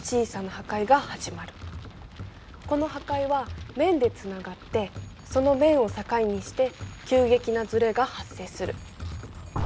この破壊は面でつながってその面を境にして急激なずれが発生する。